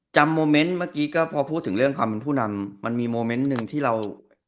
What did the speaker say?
โมเมนต์เมื่อกี้ก็พอพูดถึงเรื่องความเป็นผู้นำมันมีโมเมนต์หนึ่งที่เรา